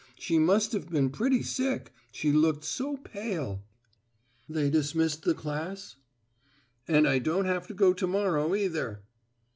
She must have been pretty sick, she looked so pale " "They dismissed the class?" "And I don't have to go to morrow either."